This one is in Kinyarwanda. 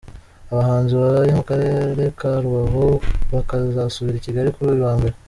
Abahanzi baraye mu Karere ka Rubavu, bakazasubira i Kigali kuri uyu wa Mbere.